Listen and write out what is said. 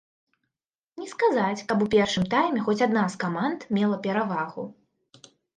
Не сказаць, каб у першым тайме хоць адна з каманд мела перавагу.